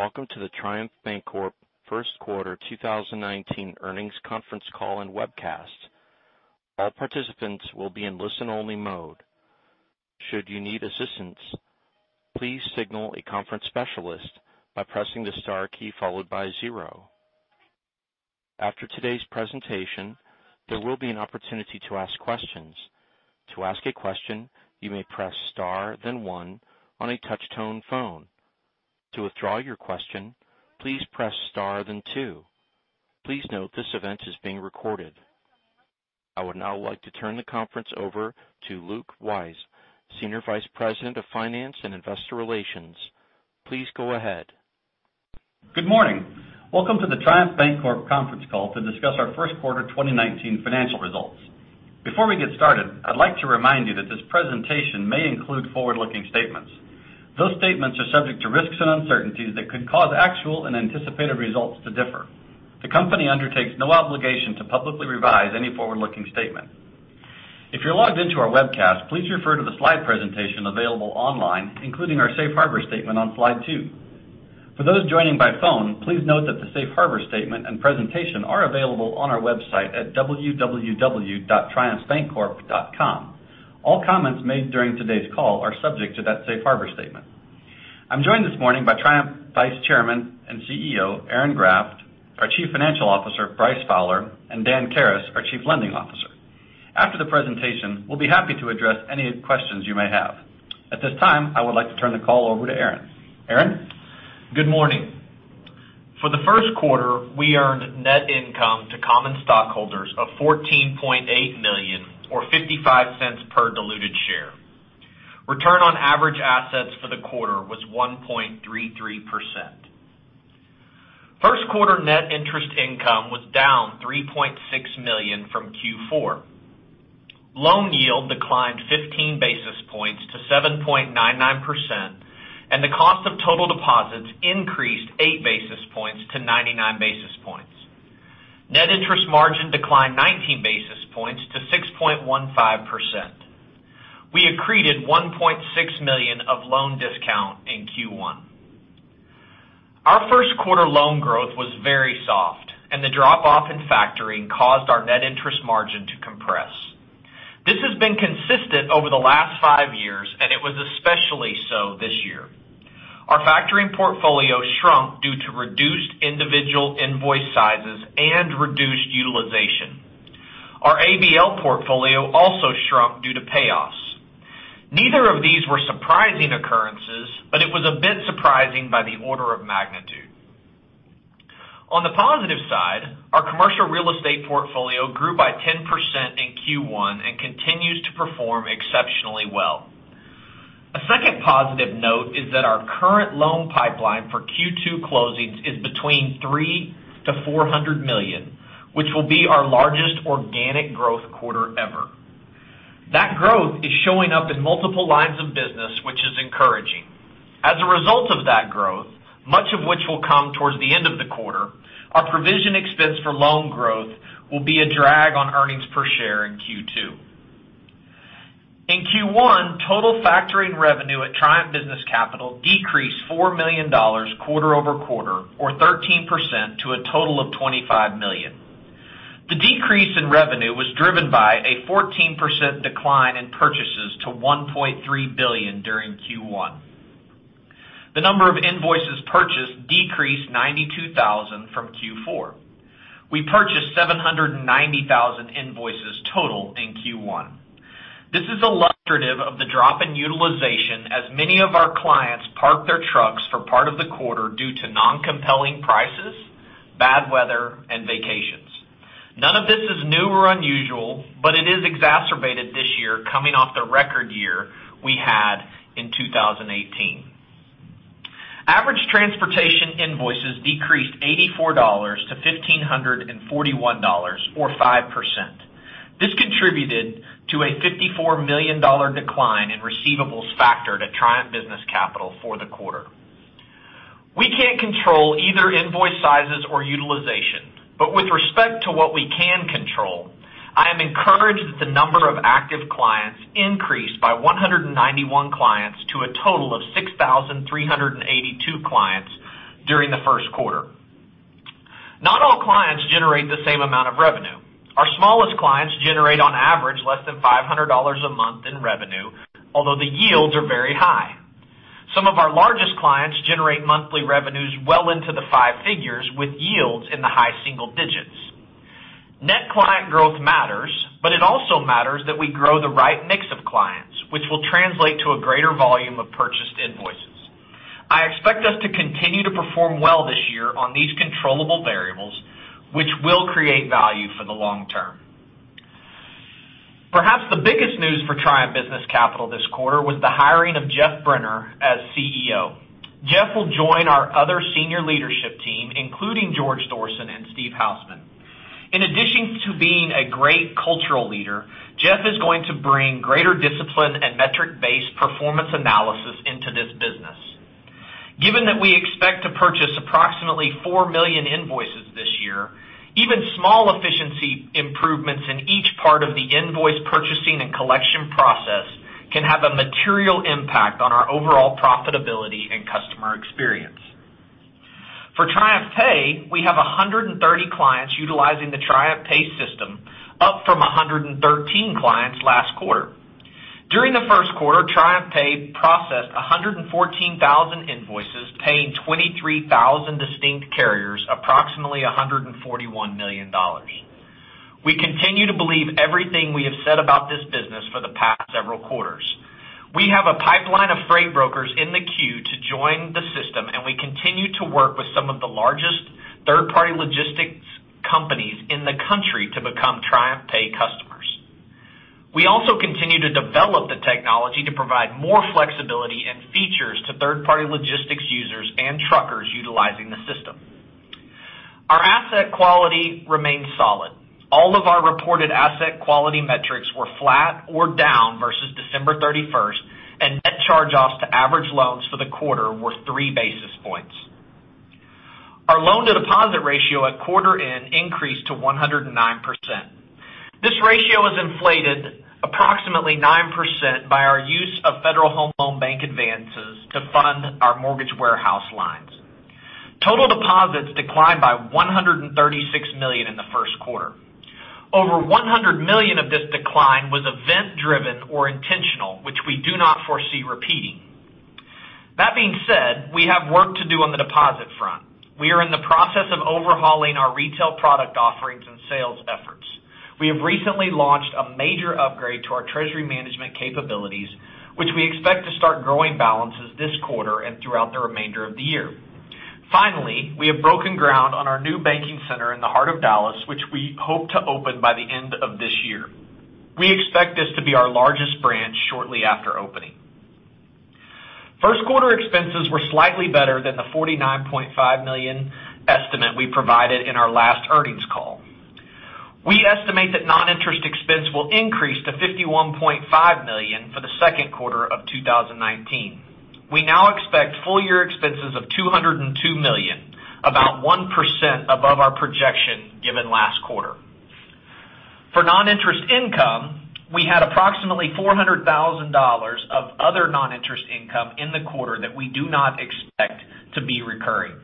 Welcome to the Triumph Bancorp first quarter 2019 earnings conference call and webcast. All participants will be in listen only mode. Should you need assistance, please signal a conference specialist by pressing the star key followed by zero. After today's presentation, there will be an opportunity to ask questions. To ask a question, you may press star then one on a touch-tone phone. To withdraw your question, please press star then two. Please note this event is being recorded. I would now like to turn the conference over to Luke Wyse, Senior Vice President of Finance and Investor Relations. Please go ahead. Good morning. Welcome to the Triumph Bancorp conference call to discuss our first quarter 2019 financial results. Before we get started, I'd like to remind you that this presentation may include forward-looking statements. Those statements are subject to risks and uncertainties that could cause actual and anticipated results to differ. The company undertakes no obligation to publicly revise any forward-looking statement. If you're logged into our webcast, please refer to the slide presentation available online, including our safe harbor statement on slide two. For those joining by phone, please note that the safe harbor statement and presentation are available on our website at www.triumphbancorp.com. All comments made during today's call are subject to that safe harbor statement. I'm joined this morning by Triumph Vice Chairman and CEO, Aaron Graft, our Chief Financial Officer, Bryce Fowler, and Dan Karas, our Chief Lending Officer. After the presentation, we'll be happy to address any questions you may have. At this time, I would like to turn the call over to Aaron. Aaron? Good morning. For the first quarter, we earned net income to common stockholders of $14.8 million or $0.55 per diluted share. Return on average assets for the quarter was 1.33%. First quarter net interest income was down $3.6 million from Q4. Loan yield declined 15 basis points to 7.99%, and the cost of total deposits increased eight basis points to 99 basis points. Net interest margin declined 19 basis points to 6.15%. We accreted $1.6 million of loan discount in Q1. Our first quarter loan growth was very soft, and the drop-off in factoring caused our net interest margin to compress. This has been consistent over the last five years, and it was especially so this year. Our factoring portfolio shrunk due to reduced individual invoice sizes and reduced utilization. Our ABL portfolio also shrunk due to payoffs. Neither of these were surprising occurrences, but it was a bit surprising by the order of magnitude. On the positive side, our commercial real estate portfolio grew by 10% in Q1 and continues to perform exceptionally well. A second positive note is that our current loan pipeline for Q2 closings is between $300 million-$400 million, which will be our largest organic growth quarter ever. That growth is showing up in multiple lines of business, which is encouraging. As a result of that growth, much of which will come towards the end of the quarter, our provision expense for loan growth will be a drag on earnings per share in Q2. In Q1, total factoring revenue at Triumph Business Capital decreased $4 million quarter-over-quarter, or 13%, to a total of $25 million. The decrease in revenue was driven by a 14% decline in purchases to $1.3 billion during Q1. The number of invoices purchased decreased 92,000 from Q4. We purchased 790,000 invoices total in Q1. This is illustrative of the drop in utilization as many of our clients parked their trucks for part of the quarter due to non-compelling prices, bad weather, and vacations. None of this is new or unusual, but it is exacerbated this year coming off the record year we had in 2018. Average transportation invoices decreased $84 to $1,541, or 5%. This contributed to a $54 million decline in receivables factored at Triumph Business Capital for the quarter. We can't control either invoice sizes or utilization, but with respect to what we can control, I am encouraged that the number of active clients increased by 191 clients to a total of 6,382 clients during the first quarter. Not all clients generate the same amount of revenue. Our smallest clients generate, on average, less than $500 a month in revenue, although the yields are very high. Some of our largest clients generate monthly revenues well into the five figures with yields in the high single digits. Net client growth matters, but it also matters that we grow the right mix of clients, which will translate to a greater volume of purchased invoices. I expect us to continue to perform well this year on these controllable variables, which will create value for the long term. Perhaps the biggest news for Triumph Business Capital this quarter was the hiring of Geoffrey Brenner as CEO. Geoffrey will join our other senior leadership team, including George Thorson and Steve Hausman. In addition to being a great cultural leader, Geoffrey is going to bring greater discipline and metric-based performance analysis into this business. Given that we expect to purchase approximately 4 million invoices this year, even small efficiency improvements in each part of the invoice purchasing and collection process can have a material impact on our overall profitability and customer experience. For TriumphPay, we have 130 clients utilizing the TriumphPay system, up from 113 clients last quarter. During the first quarter, TriumphPay processed 114,000 invoices, paying 23,000 distinct carriers approximately $141 million. We continue to believe everything we have said about this business for the past several quarters. We have a pipeline of freight brokers in the queue to join the system, and we continue to work with some of the largest third-party logistics companies in the country to become TriumphPay customers. We also continue to develop the technology to provide more flexibility and features to third-party logistics users and truckers utilizing the system. Our asset quality remains solid. All of our reported asset quality metrics were flat or down versus December 31st, and net charge-offs to average loans for the quarter were three basis points. Our loan-to-deposit ratio at quarter end increased to 109%. This ratio is inflated approximately 9% by our use of Federal Home Loan Bank advances to fund our mortgage warehouse lines. Total deposits declined by $136 million in the first quarter. Over $100 million of this decline was event-driven or intentional, which we do not foresee repeating. That being said, we have work to do on the deposit front. We are in the process of overhauling our retail product offerings and sales efforts. We have recently launched a major upgrade to our treasury management capabilities, which we expect to start growing balances this quarter and throughout the remainder of the year. Finally, we have broken ground on our new banking center in the heart of Dallas, which we hope to open by the end of this year. We expect this to be our largest branch shortly after opening. First quarter expenses were slightly better than the $49.5 million estimate we provided in our last earnings call. We estimate that non-interest expense will increase to $51.5 million for the second quarter of 2019. We now expect full year expenses of $202 million, about 1% above our projection given last quarter. For non-interest income, we had approximately $400,000 of other non-interest income in the quarter that we do not expect to be recurring.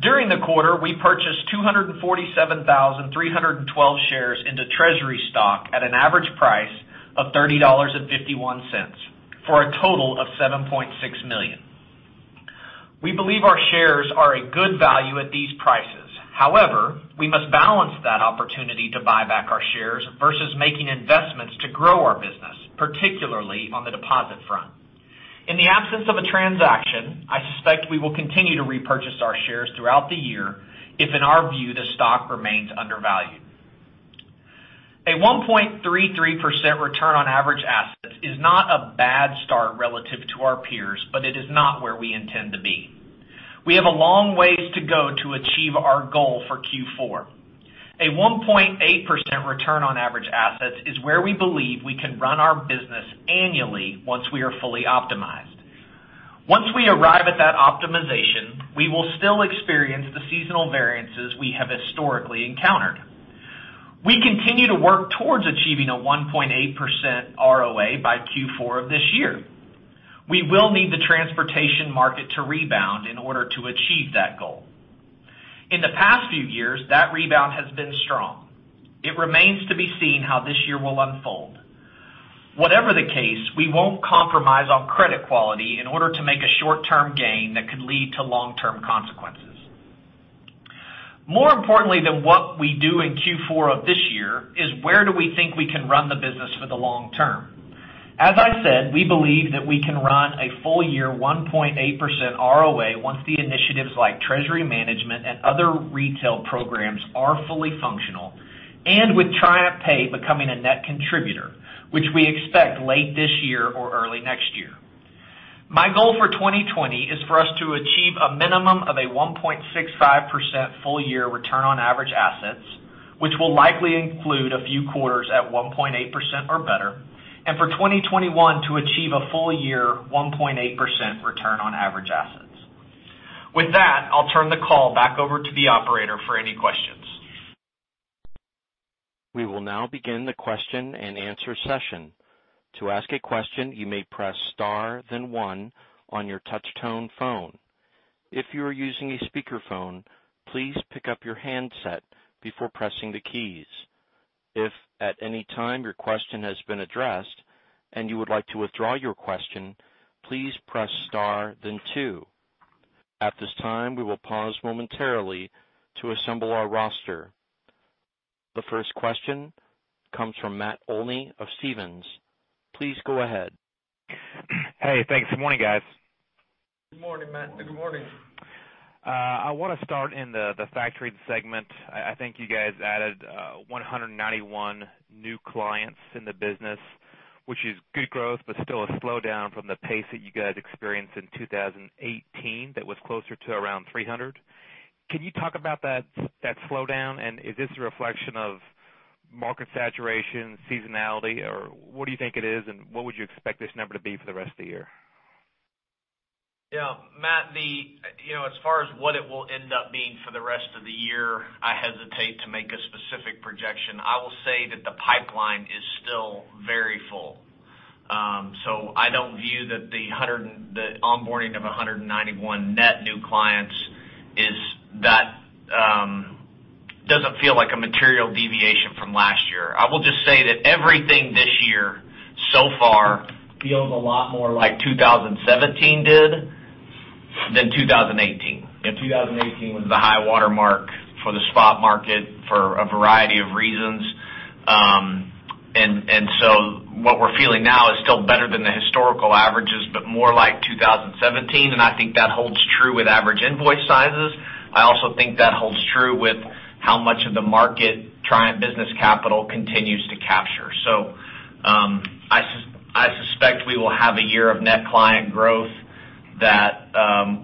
During the quarter, we purchased 247,312 shares into treasury stock at an average price of $30.51, for a total of $7.6 million. We believe our shares are a good value at these prices. However, we must balance that opportunity to buy back our shares versus making investments to grow our business, particularly on the deposit front. In the absence of a transaction, I suspect we will continue to repurchase our shares throughout the year, if in our view, the stock remains undervalued. A 1.33% return on average assets is not a bad start relative to our peers, but it is not where we intend to be. We have a long ways to go to achieve our goal for Q4. A 1.8% return on average assets is where we believe we can run our business annually once we are fully optimized. Once we arrive at that optimization, we will still experience the seasonal variances we have historically encountered. We continue to work towards achieving a 1.8% ROA by Q4 of this year. We will need the transportation market to rebound in order to achieve that goal. In the past few years, that rebound has been strong. It remains to be seen how this year will unfold. Whatever the case, we won't compromise on credit quality in order to make a short-term gain that could lead to long-term consequences. More importantly than what we do in Q4 of this year, is where do we think we can run the business for the long term? As I said, we believe that we can run a full year 1.8% ROA once the initiatives like treasury management and other retail programs are fully functional, and with TriumphPay becoming a net contributor, which we expect late this year or early next year. My goal for 2020 is for us to achieve a minimum of a 1.65% full year return on average assets, which will likely include a few quarters at 1.8% or better, and for 2021 to achieve a full year 1.8% return on average assets. With that, I'll turn the call back over to the operator for any questions. We will now begin the question and answer session. To ask a question, you may press star then one on your touch tone phone. If you are using a speakerphone, please pick up your handset before pressing the keys. If at any time your question has been addressed and you would like to withdraw your question, please press star then two. At this time, we will pause momentarily to assemble our roster. The first question comes from Matt Olney of Stephens. Please go ahead. Hey, thanks. Good morning, guys. Good morning, Matt. Good morning. I want to start in the factoring segment. I think you guys added 191 new clients in the business, which is good growth, but still a slowdown from the pace that you guys experienced in 2018 that was closer to around 300. Can you talk about that slowdown? Is this a reflection of market saturation, seasonality, or what do you think it is, and what would you expect this number to be for the rest of the year? Matt, as far as what it will end up being for the rest of the year, I hesitate to make a specific projection. I will say that the pipeline is still very full. I don't view that the onboarding of 191 net new clients, that doesn't feel like a material deviation from last year. I will just say that everything this year so far feels a lot more like 2017 did than 2018. 2018 was the high water mark for the spot market for a variety of reasons. What we're feeling now is still better than the historical averages, but more like 2017, and I think that holds true with average invoice sizes. I also think that holds true with how much of the market Triumph Business Capital continues to capture. I suspect we will have a year of net client growth that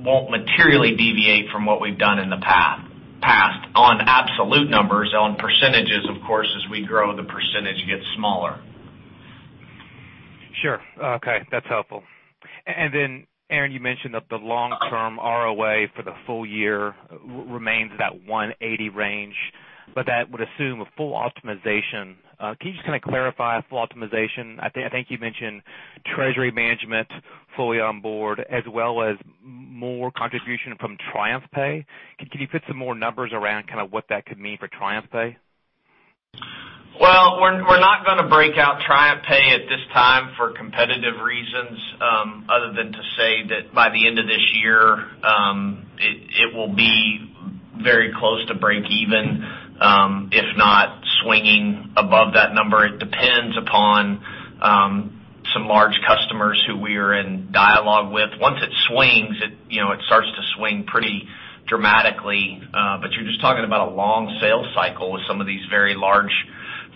won't materially deviate from what we've done in the past, on absolute numbers. On percentages, of course, as we grow, the percentage gets smaller. Sure. Okay. That's helpful. Aaron, you mentioned that the long-term ROA for the full year remains that 180 range, but that would assume a full optimization. Can you just kind of clarify full optimization? I think you mentioned treasury management fully on board, as well as more contribution from TriumphPay. Can you put some more numbers around what that could mean for TriumphPay? We're not going to break out TriumphPay at this time for competitive reasons, other than to say that by the end of this year, it will be very close to breakeven, if not swinging above that number. It depends upon some large customers who we are in dialogue with. Once it swings, it starts to swing pretty dramatically. You're just talking about a long sales cycle with some of these very large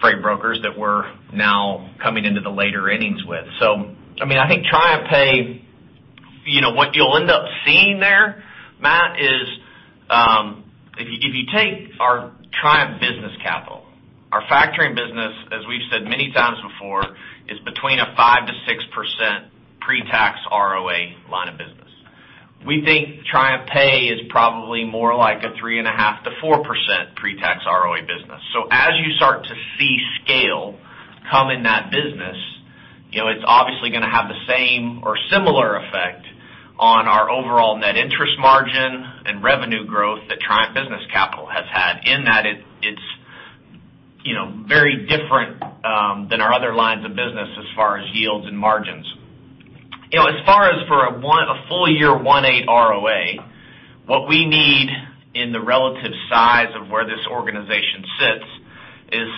freight brokers that we're now coming into the later innings with. I think TriumphPay, what you'll end up seeing there, Matt, is if you take our Triumph Business Capital, our factoring business, as we've said many times before, is between a 5%-6% pre-tax ROA line of business. We think TriumphPay is probably more like a 3.5%-4% pre-tax ROA business. As you start to see scale come in that business, it's obviously going to have the same or similar effect on our overall net interest margin and revenue growth that Triumph Business Capital has had in that it's very different than our other lines of business as far as yields and margins. As far as for a full year of 1.8% ROA, what we need in the relative size of where this organization sits is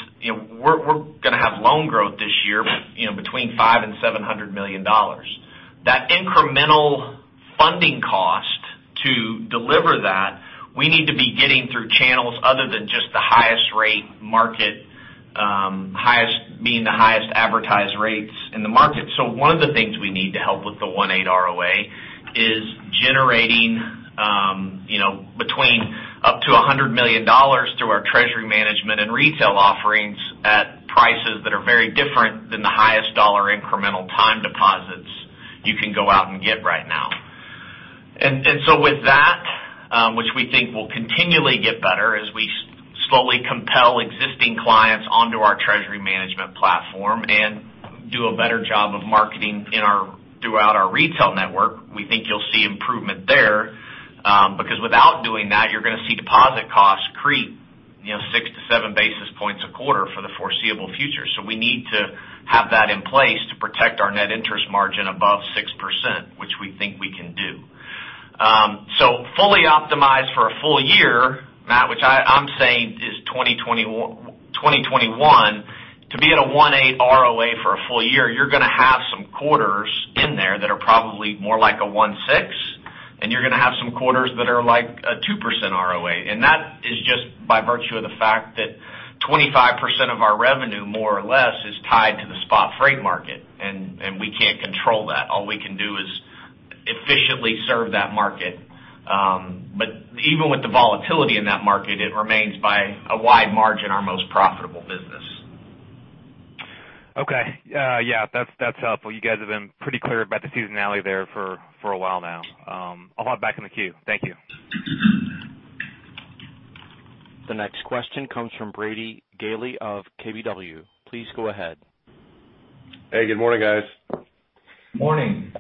we're going to have loan growth this year between $500 million-$700 million. That incremental funding cost to deliver that, we need to be getting through channels other than just the highest-rate market, being the highest advertised rates in the market. One of the things we need to help with the 1.8% ROA is generating up to $100 million through our treasury management and retail offerings at prices that are very different than the highest dollar incremental time deposits you can go out and get right now. With that, which we think will continually get better as we slowly compel existing clients onto our treasury management platform and do a better job of marketing throughout our retail network, we think you'll see improvement there. Because without doing that, you're going to see deposit costs creep six to seven basis points a quarter for the foreseeable future. We need to have that in place to protect our net interest margin above 6%, which we think we can do. Fully optimized for a full year, Matt, which I'm saying is 2021. To be at a 1.8% ROA for a full year, you're going to have some quarters in there that are probably more like a 1.6%, and you're going to have some quarters that are like a 2% ROA. That is just by virtue of the fact that 25% of our revenue, more or less, is tied to the spot freight market, and we can't control that. All we can do is efficiently serve that market. Even with the volatility in that market, it remains by a wide margin, our most profitable business. Okay. Yeah, that's helpful. You guys have been pretty clear about the seasonality there for a while now. I'll hop back in the queue. Thank you. The next question comes from Brady Gailey of KBW. Please go ahead. Hey, good morning, guys. Morning.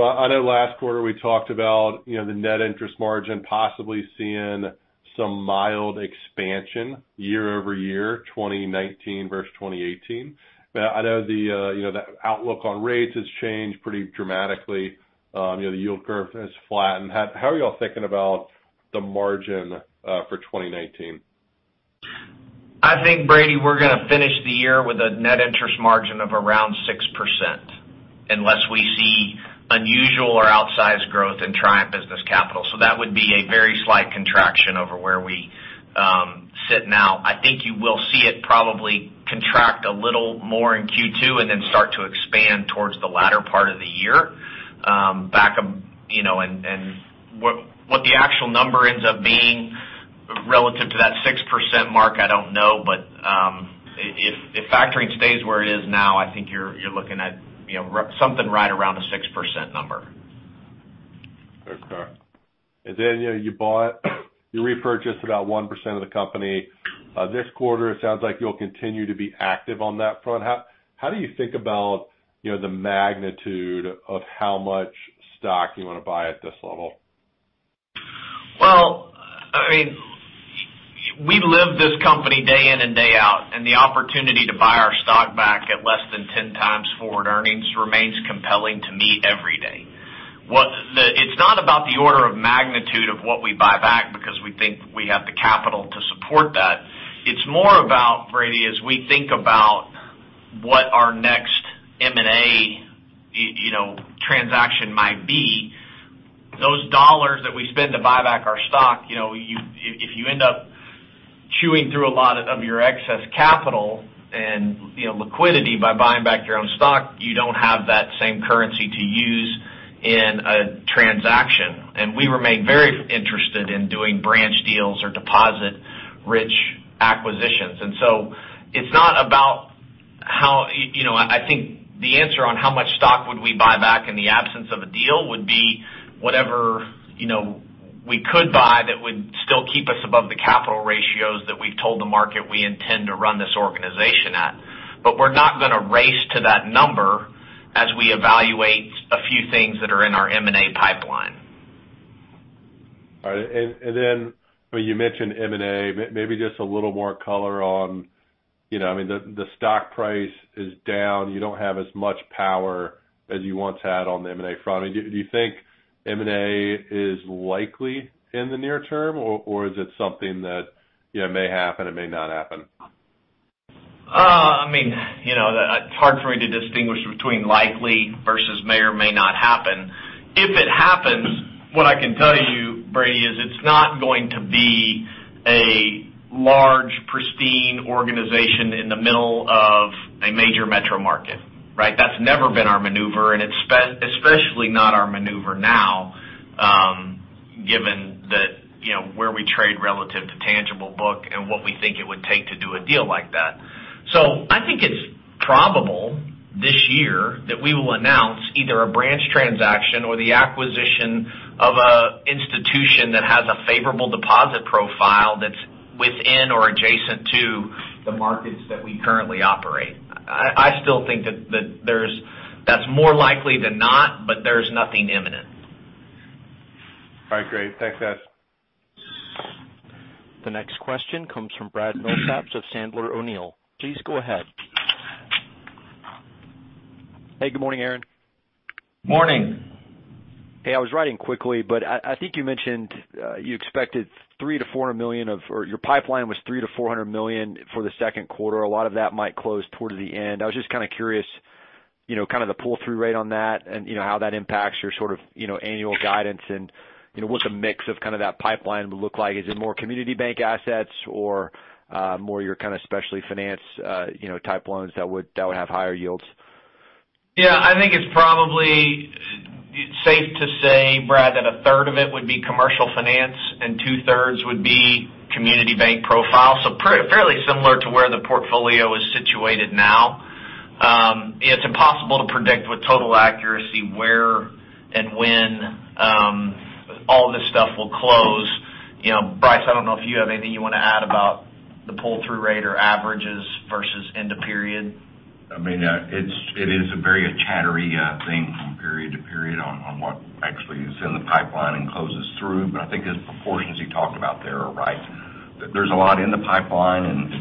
I know last quarter we talked about the net interest margin possibly seeing some mild expansion year-over-year, 2019 versus 2018. I know the outlook on rates has changed pretty dramatically. The yield curve has flattened. How are you all thinking about the margin for 2019? I think, Brady, we're going to finish the year with a net interest margin of around 6%, unless we see unusual or outsized growth in Triumph Business Capital. That would be a very slight contraction over where we sit now. I think you will see it probably contract a little more in Q2 and then start to expand towards the latter part of the year. What the actual number ends up being relative to that 6% mark, I don't know. If factoring stays where it is now, I think you're looking at something right around a 6% number. Okay. You repurchased about 1% of the company this quarter. It sounds like you'll continue to be active on that front. How do you think about the magnitude of how much stock you want to buy at this level? Well, we live this company day in and day out, the opportunity to buy our stock back at less than 10 times forward earnings remains compelling to me every day. It's not about the order of magnitude of what we buy back because we think we have the capital to support that. It's more about, Brady, as we think about what our next M&A transaction might be, those dollars that we spend to buy back our stock, if you end up chewing through a lot of your excess capital and liquidity by buying back your own stock, you don't have that same currency to use in a transaction. We remain very interested in doing branch deals or deposit-rich acquisitions. I think the answer on how much stock would we buy back in the absence of a deal would be whatever we could buy that would still keep us above the capital ratios that we've told the market we intend to run this organization at. We're not going to race to that number as we evaluate a few things that are in our M&A pipeline. All right. You mentioned M&A, maybe just a little more color. The stock price is down. You don't have as much power as you once had on the M&A front. Do you think M&A is likely in the near term, or is it something that may happen, it may not happen? It's hard for me to distinguish between likely versus may or may not happen. If it happens, what I can tell you, Brady, is it's not going to be a large, pristine organization in the middle of a major metro market. That's never been our maneuver, and especially not our maneuver now, given that where we trade relative to tangible book and what we think it would take to do a deal like that. I think it's probable this year that we will announce either a branch transaction or the acquisition of an institution that has a favorable deposit profile that's within or adjacent to the markets that we currently operate. I still think that that's more likely than not, there's nothing imminent. All right, great. Thanks guys. The next question comes from Brad Milsaps of Sandler O'Neill. Please go ahead. Hey, good morning, Aaron. Morning. Hey, I was writing quickly. I think you mentioned you expected your pipeline was $300 million-$400 million for the second quarter. A lot of that might close toward the end. I was just kind of curious the pull-through rate on that, and how that impacts your annual guidance and what the mix of that pipeline would look like. Is it more community bank assets or more your kind of specialty finance type loans that would have higher yields? Yeah, I think it's probably safe to say, Brad, that a third of it would be commercial finance and two-thirds would be community bank profile. Fairly similar to where the portfolio is situated now. It's impossible to predict with total accuracy where and when all this stuff will close. Bryce, I don't know if you have anything you want to add about the pull-through rate or averages versus end of period. It is a very chattery thing from period to period on what actually is in the pipeline and closes through. I think his proportions he talked about there are right. There's a lot in the pipeline, and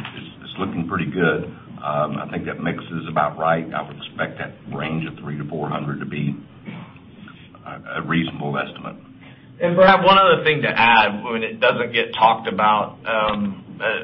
it's looking pretty good. I think that mix is about right. I would expect that range of $300 million-$400 million to be a reasonable estimate. Brad, one other thing to add, when it doesn't get talked about,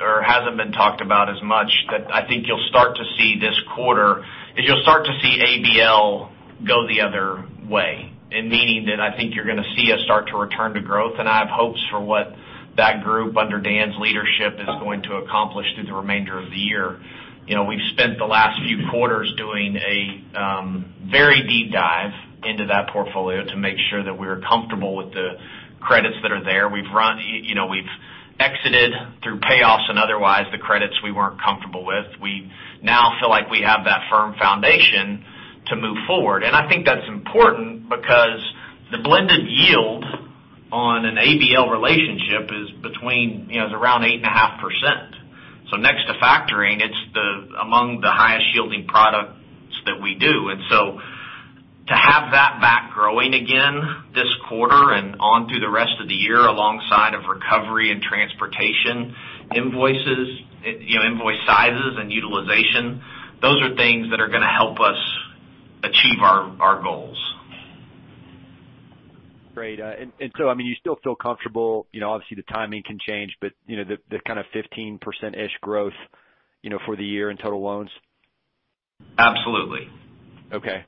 or hasn't been talked about as much, that I think you'll start to see this quarter, is you'll start to see ABL go the other way, meaning that I think you're going to see us start to return to growth. I have hopes for what that group under Dan's leadership is going to accomplish through the remainder of the year. We've spent the last few quarters doing a very deep dive into that portfolio to make sure that we're comfortable with the credits that are there. We've exited through payoffs and otherwise the credits we weren't comfortable with. We now feel like we have that firm foundation to move forward. I think that's important because the blended yield on an ABL relationship is around 8.5%. Next to factoring, it's among the highest yielding products that we do. To have that back growing again this quarter and on through the rest of the year alongside of recovery and transportation invoice sizes and utilization, those are things that are going to help us achieve our goals. Great. You still feel comfortable, obviously the timing can change, but the kind of 15% ish growth for the year in total loans? Absolutely. Okay.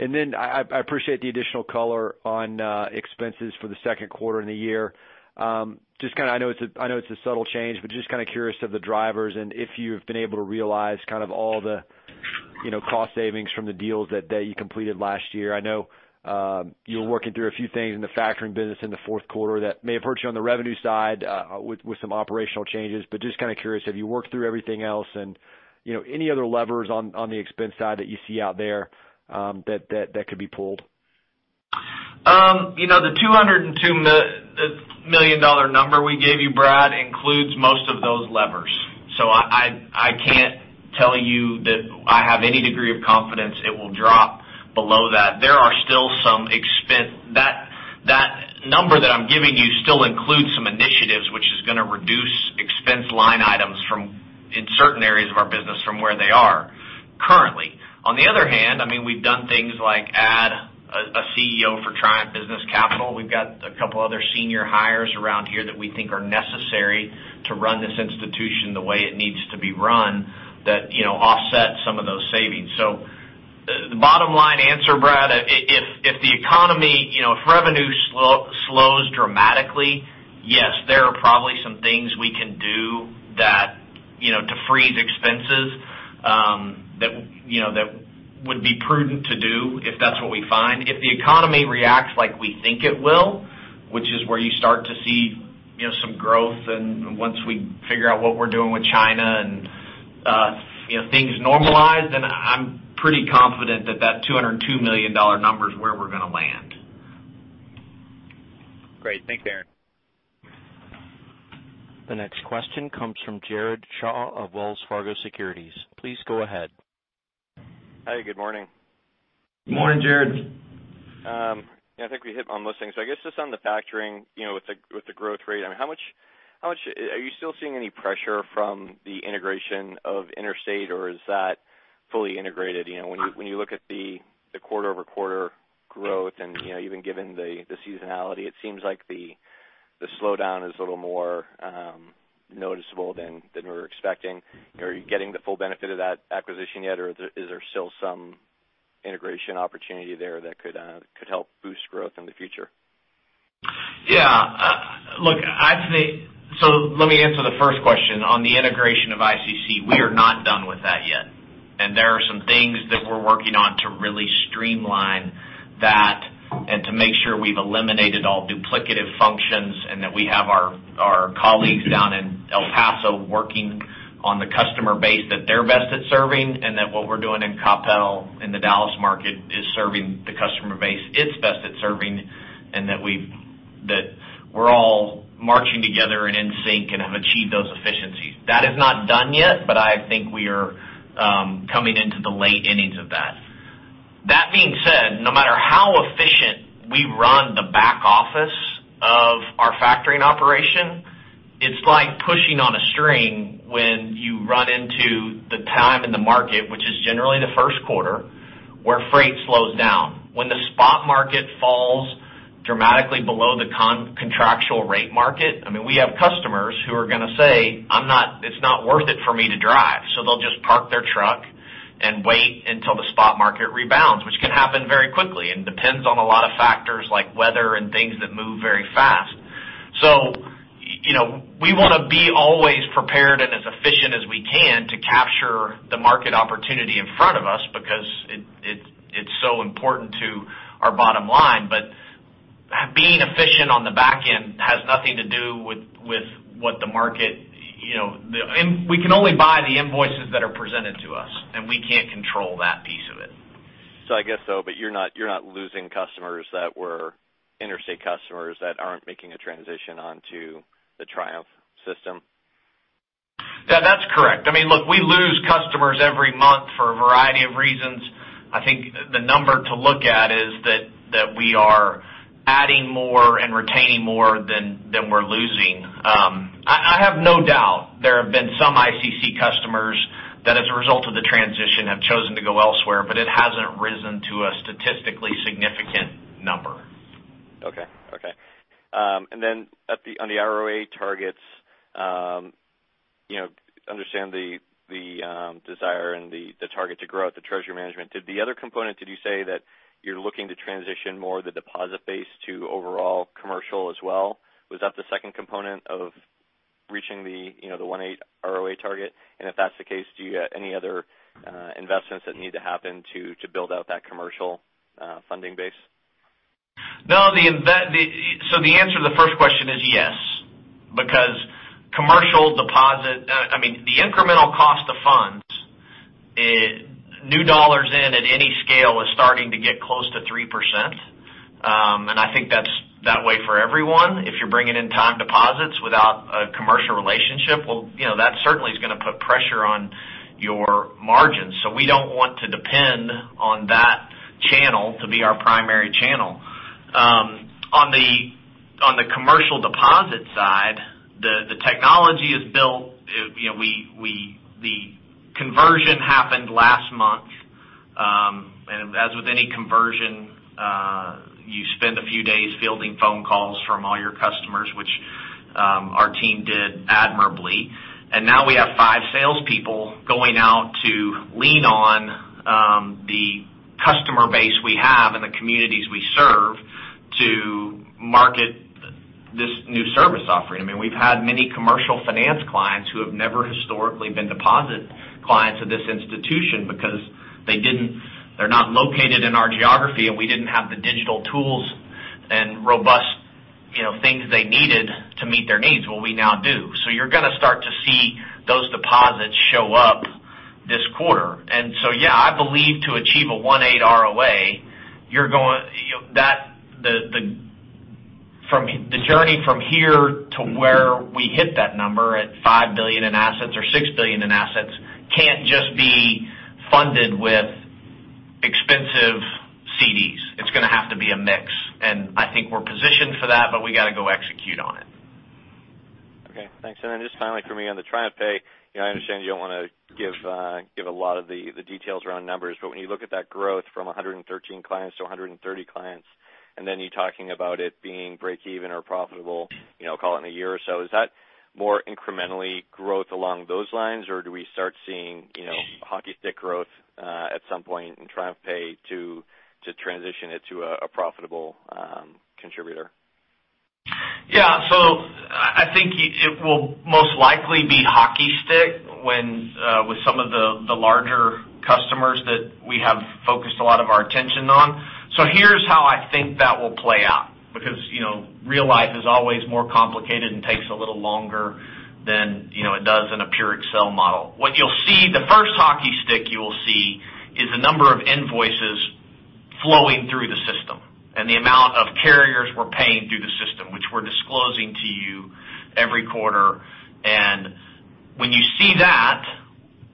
I appreciate the additional color on expenses for the second quarter and the year. I know it's a subtle change, but just kind of curious of the drivers and if you've been able to realize kind of all the cost savings from the deals that you completed last year. I know you were working through a few things in the factoring business in the fourth quarter that may have hurt you on the revenue side with some operational changes, but just kind of curious, have you worked through everything else and any other levers on the expense side that you see out there that could be pulled? The $202 million number we gave you, Brad, includes most of those levers. I can't tell you that I have any degree of confidence it will drop below that. That number that I'm giving you still includes some initiatives, which is going to reduce expense line items in certain areas of our business from where they are currently. On the other hand, we've done things like add a CEO for Triumph Business Capital. We've got a couple other senior hires around here that we think are necessary to run this institution the way it needs to be run that offset some of those savings. The bottom line answer, Brad, if revenue slows dramatically, yes, there are probably some things we can do to freeze expenses, that would be prudent to do if that's what we find. If the economy reacts like we think it will, which is where you start to see some growth and once we figure out what we're doing with China and things normalize, then I'm pretty confident that that $202 million number is where we're going to land. Great. Thanks, Aaron. The next question comes from Jared Shaw of Wells Fargo Securities. Please go ahead. Hi, good morning. Morning, Jared. I think we hit on most things. I guess just on the factoring, with the growth rate, are you still seeing any pressure from the integration of Interstate, or is that fully integrated? When you look at the quarter-over-quarter growth and even given the seasonality, it seems like the slowdown is a little more noticeable than we were expecting. Are you getting the full benefit of that acquisition yet, or is there still some integration opportunity there that could help boost growth in the future? Yeah. Let me answer the first question. On the integration of ICC, we are not done with that yet, and there are some things that we're working on to really streamline that and to make sure we've eliminated all duplicative functions, and that we have our colleagues down in El Paso working on the customer base that they're best at serving, and that what we're doing in Coppell, in the Dallas market, is serving the customer base it's best at serving, and that we're all marching together and in sync and have achieved those efficiencies. That is not done yet, I think we are coming into the late innings of that. That being said, no matter how efficient we run the back office of our factoring operation, it's like pushing on a string when you run into the time in the market, which is generally the first quarter, where freight slows down. When the spot market falls dramatically below the contractual rate market, we have customers who are going to say, "It's not worth it for me to drive." They'll just park their truck and wait until the spot market rebounds, which can happen very quickly and depends on a lot of factors like weather and things that move very fast. We want to be always prepared and as efficient as we can to capture the market opportunity in front of us, because it's so important to our bottom line. Being efficient on the back end has nothing to do with. We can only buy the invoices that are presented to us, and we can't control that piece of it. I guess, though, but you're not losing customers that were Interstate customers that aren't making a transition onto the Triumph system? Yeah, that's correct. Look, we lose customers every month for a variety of reasons. I think the number to look at is that we are adding more and retaining more than we're losing. I have no doubt there have been some ICC customers that, as a result of the transition, have chosen to go elsewhere, but it hasn't risen to a statistically significant number. Okay. Then on the ROA targets, understand the desire and the target to grow at the treasury management. Did the other component, did you say that you're looking to transition more of the deposit base to overall commercial as well? Was that the second component of reaching the 1.8 ROA target? If that's the case, do you have any other investments that need to happen to build out that commercial funding base? No. The answer to the first question is yes, because the incremental cost of funds, new dollars in at any scale is starting to get close to 3%, and I think that's that way for everyone. If you're bringing in time deposits without a commercial relationship, well, that certainly is going to put pressure on your margins. We don't want to depend on that channel to be our primary channel. On the commercial deposit side, the technology is built. The conversion happened last month. As with any conversion, you spend a few days fielding phone calls from all your customers, which our team did admirably. Now we have five salespeople going out to lean on the customer base we have and the communities we serve to market this new service offering. We've had many commercial finance clients who have never historically been deposit clients of this institution because they're not located in our geography, and we didn't have the digital tools and robust things they needed to meet their needs. Well, we now do. You're going to start to see those deposits show up this quarter. Yeah, I believe to achieve a 1.8 ROA, the journey from here to where we hit that number at $5 billion in assets or $6 billion in assets, can't just be funded with expensive CDs. It's going to have to be a mix, and I think we're positioned for that, but we got to go execute on it. Okay, thanks. Just finally for me on the TriumphPay, I understand you don't want to give a lot of the details around numbers, but when you look at that growth from 113 clients to 130 clients, and then you're talking about it being breakeven or profitable, call it in a year or so, is that more incrementally growth along those lines? Or do we start seeing hockey stick growth at some point in TriumphPay to transition it to a profitable contributor? Yeah. I think it will most likely be hockey stick with some of the larger customers that we have focused a lot of our attention on. Here's how I think that will play out, because real life is always more complicated and takes a little longer than it does in a pure Excel model. The first hockey stick you will see is the number of invoices flowing through the system and the amount of carriers we're paying through the system, which we're disclosing to you every quarter. When you see that,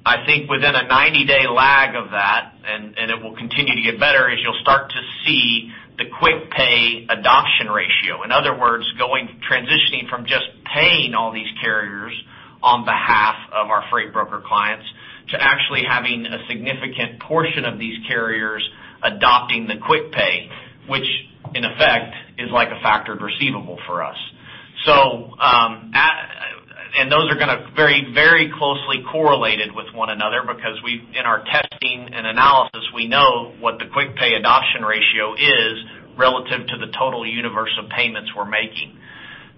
I think within a 90-day lag of that, and it will continue to get better, is you'll start to see the quick pay adoption ratio. In other words, transitioning from just paying all these carriers on behalf of our freight broker clients to actually having a significant portion of these carriers adopting the quick pay, which in effect is like a factored receivable for us. Those are going to very closely correlate with one another because in our testing and analysis, we know what the quick pay adoption ratio is relative to the total universe of payments we're making.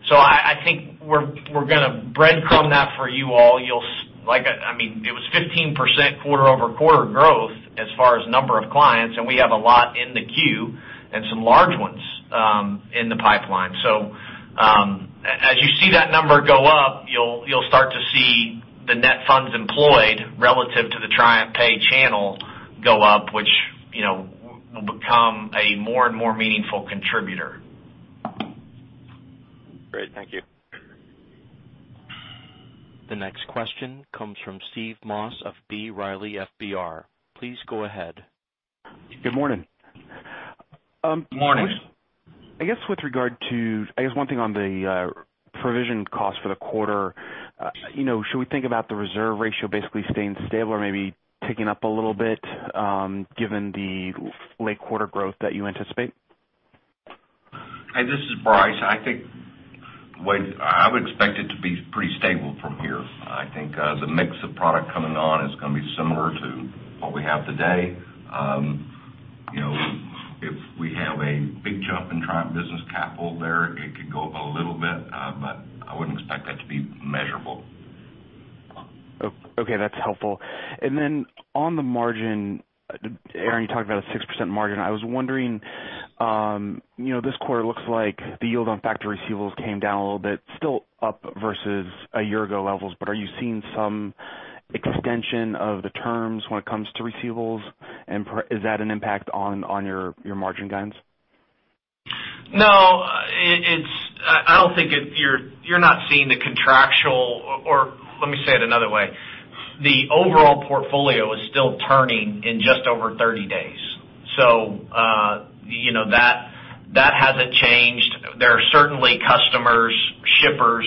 I think we're going to breadcrumb that for you all. It was 15% quarter-over-quarter growth as far as number of clients, and we have a lot in the queue and some large ones in the pipeline. As you see that number go up, you'll start to see the net funds employed relative to the TriumphPay channel go up, which will become a more and more meaningful contributor. Great. Thank you. The next question comes from Steve Moss of B. Riley FBR. Please go ahead. Good morning. Morning. I guess one thing on the provision cost for the quarter, should we think about the reserve ratio basically staying stable or maybe ticking up a little bit given the late quarter growth that you anticipate? Hey, this is Bryce. I would expect it to be pretty stable from here. I think the mix of product coming on is going to be similar to what we have today. If we have a big jump in Triumph Business Capital there, it could go up a little bit, but I wouldn't expect that to be measurable. Okay. That's helpful. On the margin, Aaron, you talked about a 6% margin. I was wondering, this quarter looks like the yield on factory receivables came down a little bit, still up versus a year ago levels. Are you seeing some extension of the terms when it comes to receivables? Is that an impact on your margin guidance? No. You're not seeing the contractual, or let me say it another way. The overall portfolio is still turning in just over 30 days. That hasn't changed. There are certainly customers, shippers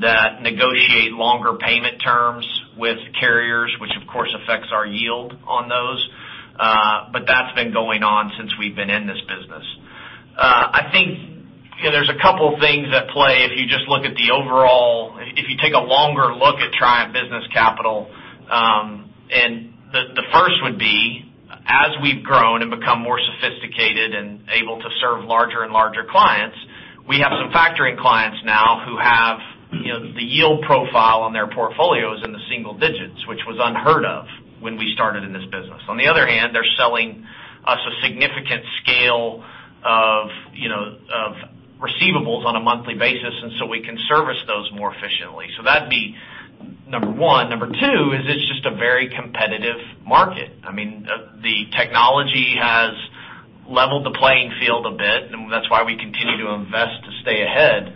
that negotiate longer payment terms with carriers, which of course affects our yield on those. That's been going on since we've been in this business. I think there's a couple things at play if you take a longer look at Triumph Business Capital. The first would be, as we've grown and become more sophisticated and able to serve larger and larger clients, we have some factoring clients now who have the yield profile on their portfolios in the single digits, which was unheard of when we started in this business. On the other hand, they're selling us a significant scale of receivables on a monthly basis, we can service those more efficiently. That'd be number one. Number two is it's just a very competitive market. The technology has leveled the playing field a bit, that's why we continue to invest to stay ahead.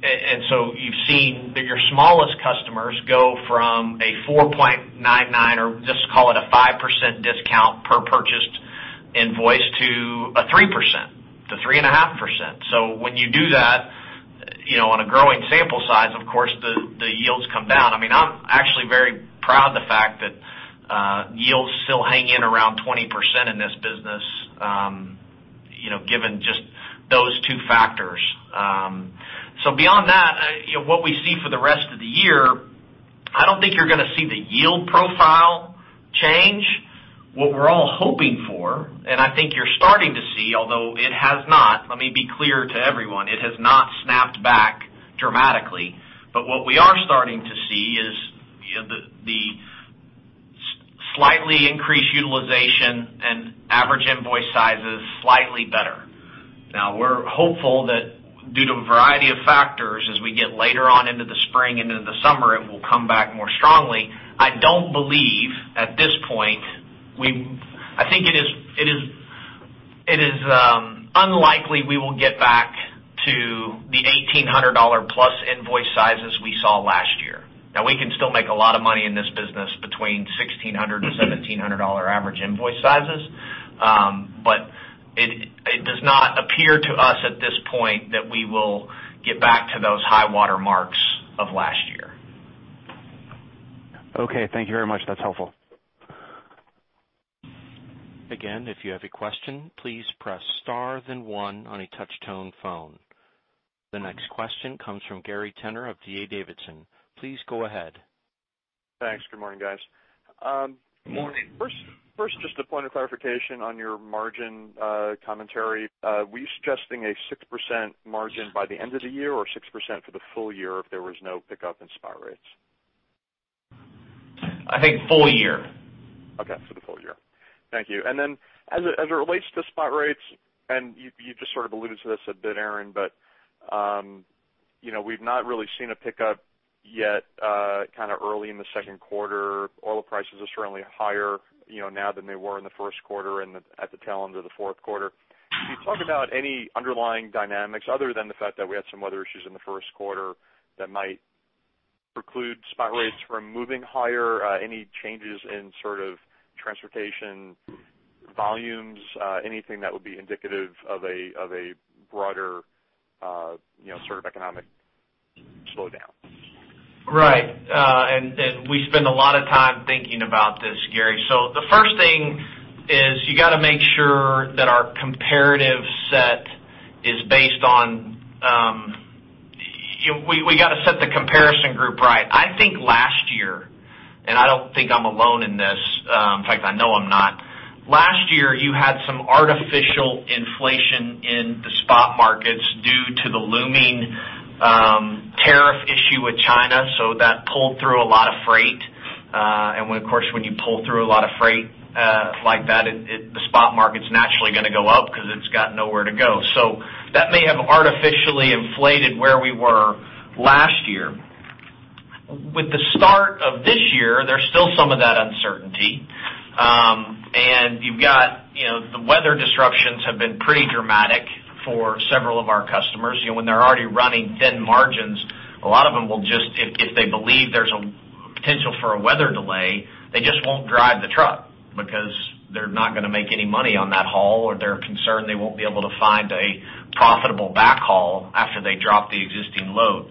You've seen that your smallest customers go from a 4.99, or just call it a 5% discount per purchased invoice to a 3%-3.5%. When you do that on a growing sample size, of course, the yields come down. I'm actually very proud of the fact that yields still hang in around 20% in this business given just those two factors. Beyond that, what we see for the rest of the year, I don't think you're going to see the yield profile change. What we're all hoping for, I think you're starting to see, although it has not, let me be clear to everyone, it has not snapped back dramatically. What we are starting to see is the slightly increased utilization and average invoice size is slightly better. Now, we're hopeful that due to a variety of factors, as we get later on into the spring and into the summer, it will come back more strongly. I don't believe, at this point I think it is unlikely we will get back to the $1,800+ invoice sizes we saw last year. Now, we can still make a lot of money in this business between $1,600-$1,700 average invoice sizes. It does not appear to us at this point that we will get back to those high water marks of last year. Okay, thank you very much. That's helpful. Again, if you have a question, please press star then one on a touch tone phone. The next question comes from Gary Tenner of D.A. Davidson. Please go ahead. Thanks. Good morning, guys. Morning. First, just a point of clarification on your margin commentary. Were you suggesting a 6% margin by the end of the year, or 6% for the full year if there was no pickup in spot rates? I think full year. Okay. For the full year. Thank you. As it relates to spot rates, and you just sort of alluded to this a bit, Aaron, but we've not really seen a pickup yet kind of early in the second quarter. Oil prices are certainly higher now than they were in the first quarter and at the tail end of the fourth quarter. Can you talk about any underlying dynamics other than the fact that we had some weather issues in the first quarter that might preclude spot rates from moving higher? Any changes in sort of transportation volumes? Anything that would be indicative of a broader sort of economic slowdown? Right. We spend a lot of time thinking about this, Gary. The first thing is you got to make sure that our comparative set is based on. We got to set the comparison group right. I think last year, and I don't think I'm alone in this. In fact, I know I'm not. Last year, you had some artificial inflation in the spot markets due to the looming tariff issue with China. That pulled through a lot of freight. When, of course, when you pull through a lot of freight like that, the spot market's naturally going to go up because it's got nowhere to go. That may have artificially inflated where we were last year. With the start of this year, there's still some of that uncertainty. You've got the weather disruptions have been pretty dramatic for several of our customers. When they're already running thin margins, a lot of them will just, if they believe there's a potential for a weather delay, they just won't drive the truck because they're not going to make any money on that haul, or they're concerned they won't be able to find a profitable back haul after they drop the existing load.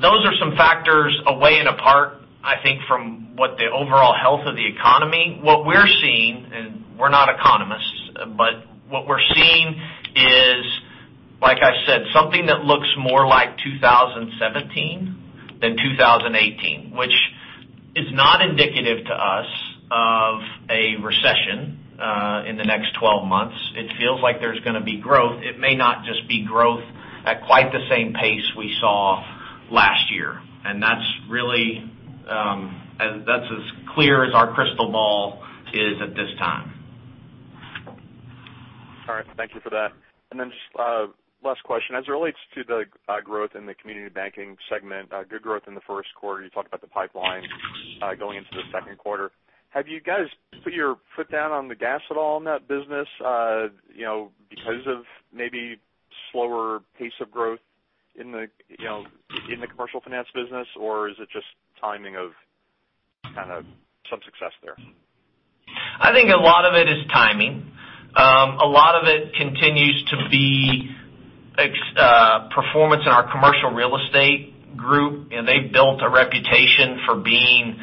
Those are some factors away and apart, I think, from what the overall health of the economy. What we're seeing, and we're not economists, but what we're seeing is, like I said, something that looks more like 2017 than 2018, which is not indicative to us of a recession in the next 12 months. It feels like there's going to be growth. It may not just be growth at quite the same pace we saw last year. That's as clear as our crystal ball is at this time. All right. Thank you for that. Just last question. As it relates to the growth in the community banking segment, good growth in the first quarter. You talked about the pipeline going into the second quarter. Have you guys put your foot down on the gas at all in that business because of maybe slower pace of growth in the commercial finance business, or is it just timing of kind of some success there? I think a lot of it is timing. A lot of it continues to be performance in our commercial real estate group. They built a reputation for being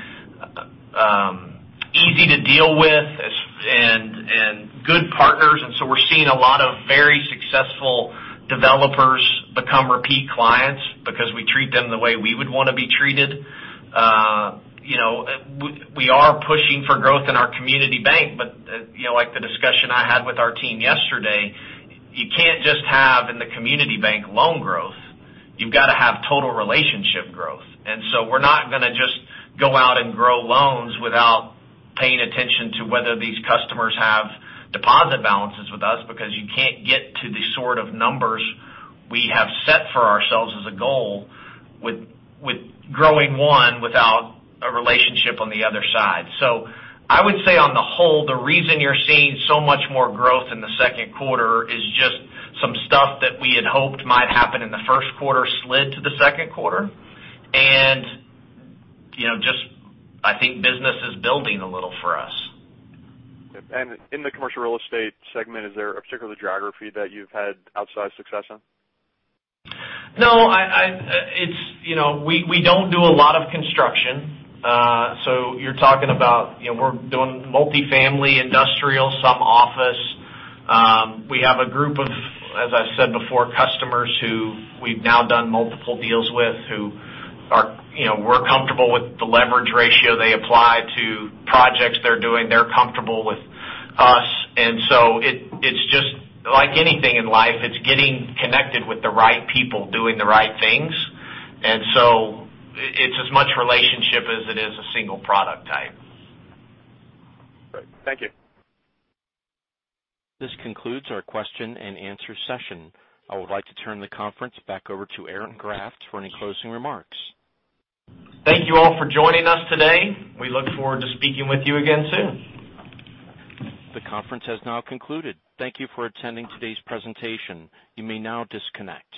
easy to deal with and good partners. We're seeing a lot of very successful developers become repeat clients because we treat them the way we would want to be treated. We are pushing for growth in our community bank, but like the discussion I had with our team yesterday, you can't just have in the community bank loan growth. You've got to have total relationship growth. We're not going to just go out and grow loans without paying attention to whether these customers have deposit balances with us, because you can't get to the sort of numbers we have set for ourselves as a goal with growing one without a relationship on the other side. I would say on the whole, the reason you're seeing so much more growth in the second quarter is just some stuff that we had hoped might happen in the first quarter slid to the second quarter. Just, I think business is building a little for us. In the commercial real estate segment, is there a particular geography that you've had outside success in? No. We don't do a lot of construction. You're talking about we're doing multi-family, industrial, some office. We have a group of, as I said before, customers who we've now done multiple deals with who we're comfortable with the leverage ratio they apply to projects they're doing. They're comfortable with us. It's just like anything in life, it's getting connected with the right people doing the right things. It's as much relationship as it is a single product type. Great. Thank you. This concludes our question and answer session. I would like to turn the conference back over to Aaron Graft for any closing remarks. Thank you all for joining us today. We look forward to speaking with you again soon. The conference has now concluded. Thank you for attending today's presentation. You may now disconnect.